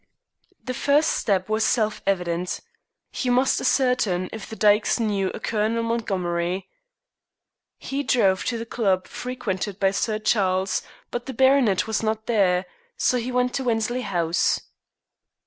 The first step was self evident. He must ascertain if the Dykes knew a Colonel Montgomery. He drove to the Club frequented by Sir Charles, but the baronet was not there, so he went to Wensley House.